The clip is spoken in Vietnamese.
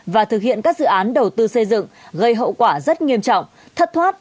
và thực hiện các dự án đầu tư xây dựng gây hậu quả rất nghiêm trọng thất thoát